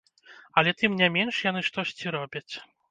Але, тым не менш, яны штосьці робяць.